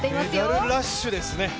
メダルラッシュですね